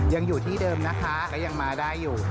ยังอยู่ที่เดิมนะคะก็ยังมาได้อยู่